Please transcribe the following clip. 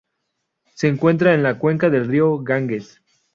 Se encuentra en la cuenca del río Ganges.